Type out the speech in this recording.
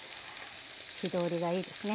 火通りがいいですね。